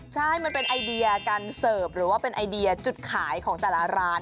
ใช่มันเป็นไอเดียการเสิร์ฟหรือว่าเป็นไอเดียจุดขายของแต่ละร้าน